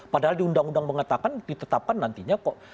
padahal di undang undang mengatakan ditetapkan nantinya kok